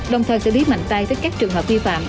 đồng thời sẽ bí mạnh tay với các trường hợp vi phạm